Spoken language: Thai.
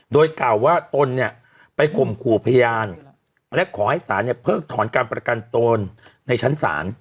โดยกล่าวว่าตนเนี่ยไปข่มขู่พยานและขอให้ศาลเนี่ยเพิกถอนการประกันตนในชั้นศาล